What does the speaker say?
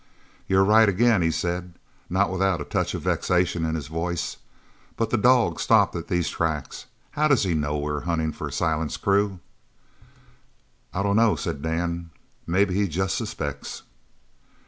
"You're right again," he said, not without a touch of vexation in his voice; "but the dog stopped at these tracks. How does he know we are hunting for Silent's crew?" "I dunno," said Dan, "maybe he jest suspects."